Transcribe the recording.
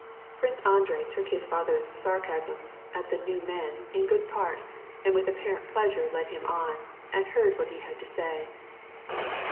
Prince Andrei took his father's sarcasms at the "new men" in good part, and with apparent pleasure led him on, and heard what he had to say.